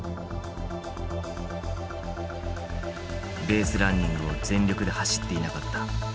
「ベースランニングを全力で走っていなかった。